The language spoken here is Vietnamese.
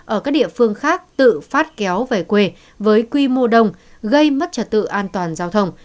ở các địa phương khác tự phát kéo về quê với quy mô đông gây mất trật tự an toàn giao thông